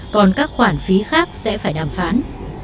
còn các khoản phí khác sẽ phải đàm phán